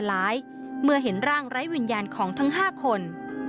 ใจสลายเมื่อเห็นร่างไร้วิญญาณของทั้งห้าคน